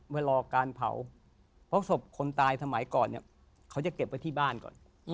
รอการเผาเพราะศพคนตายสมัยก่อนเนี่ยเขาจะเก็บไว้ที่บ้านก่อน